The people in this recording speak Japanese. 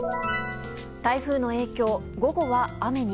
台風の影響、午後は雨に。